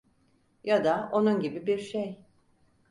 Ya da onun gibi bir şey.